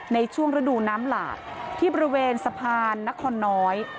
ในช่วงฤดูน้ำหลากที่บริเวณสะพานนครน้อย